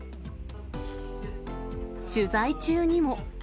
取材中にも。